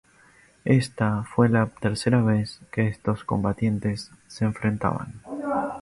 Esta fue la tercera vez que estos combatientes se enfrentaban.